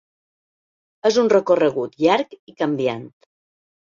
És un recorregut llarg i canviant.